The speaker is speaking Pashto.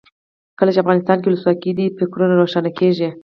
کله چې افغانستان کې ولسواکي وي فکرونه روښانه کیږي.